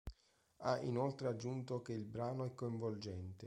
Ha inoltre aggiunto che il brano è coinvolgente.